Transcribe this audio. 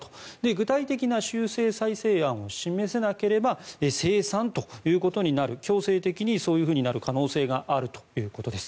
具体的な修正再生案を示せなければ清算ということになる強制的にそういうふうになる可能性があるということです。